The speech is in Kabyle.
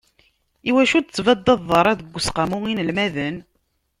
Iwacu ur d-tettbaddideḍ ara deg useqqamu n yinelmaden?